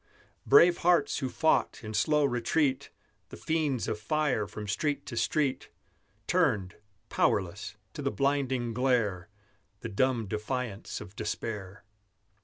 Brave hearts who fought, in slow retreat, The fiends of fire from street to street, Turned, powerless, to the blinding glare, The dumb defiance of despair.